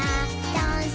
ダンス！